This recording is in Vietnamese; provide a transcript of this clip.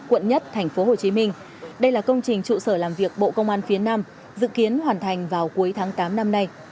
quận một tp hcm đây là công trình trụ sở làm việc bộ công an phía nam dự kiến hoàn thành vào cuối tháng tám năm nay